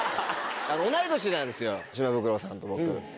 同い年なんですよ島袋さんと僕。